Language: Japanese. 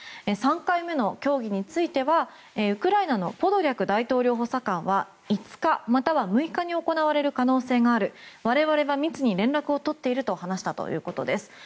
３回目の協議についてはウクライナのポドリャク大統領補佐官は５日、または６日に行われる可能性がある我々は密に連絡を取っていると話したということです。